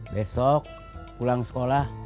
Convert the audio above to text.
besok pulang sekolah